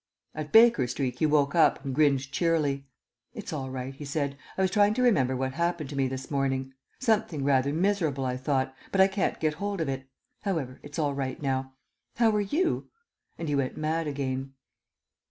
At Baker Street he woke up and grinned cheerily. "It's all right," he said, "I was trying to remember what happened to me this morning something rather miserable, I thought, but I can't get hold of it. However, it's all right now. How are you?" And he went mad again.